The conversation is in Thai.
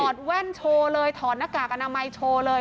แว่นโชว์เลยถอดหน้ากากอนามัยโชว์เลย